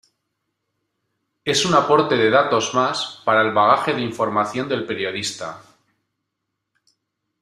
Es un aporte de datos más para el bagaje de información del periodista.